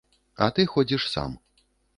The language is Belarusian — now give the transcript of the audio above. А ты ходзіш сам.